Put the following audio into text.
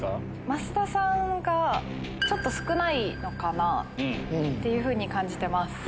増田さんがちょっと少ないのかなって感じてます。